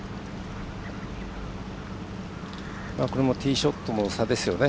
これもティーショットの差ですよね。